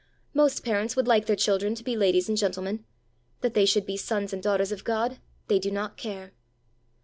Most parents would like their children to be ladies and gentlemen; that they should be sons and daughters of God, they do not care!